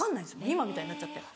今みたいになっちゃって。